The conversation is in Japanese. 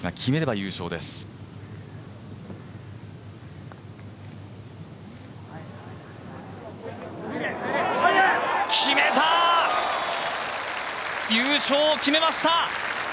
優勝を決めました！